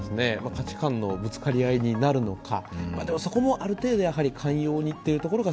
価値観のぶつかり合いになるのか、でも、そこもある程度、寛容にってところが